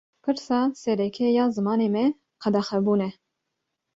Pirsa sereke ya zimanê me, qedexebûn e